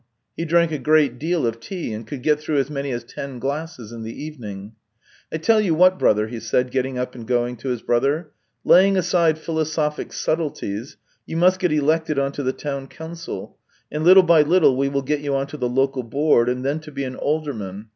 He drank a great deal of tea, and could get through as many as ten glasses in the evening. " I tell you what, brother," he said, getting up and going to his brother. " Laying aside philo sophic subtleties, you must get elected on to the town council, and little by little we will get you on to the Local Board, and then to be an alderman.